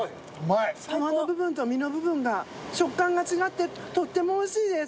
皮の部分と身の部分が食感が違ってとってもおいしいです。